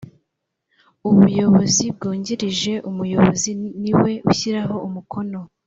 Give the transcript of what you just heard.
ubuyobozi bwungirije umuyobozi niwe ushyira umukono